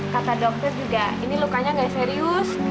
kata dokter juga ini lukanya nggak serius